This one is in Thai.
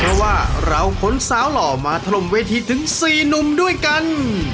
เพราะว่าเราขนสาวหล่อมาถล่มเวทีถึง๔หนุ่มด้วยกัน